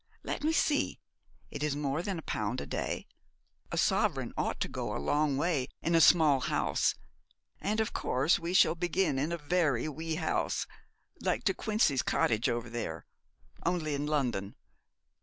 Let me see. It is more than a pound a day. A sovereign ought to go a long way in a small house; and, of course, we shall begin in a very wee house, like De Quincey's cottage over there, only in London.'